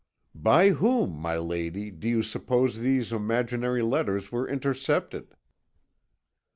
"By whom, my lady, do you suppose these imaginary letters were intercepted?"